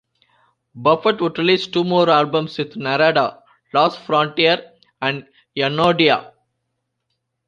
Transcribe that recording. Buffett would release two more albums with Narada: "Lost Frontier" and "Yonnondio".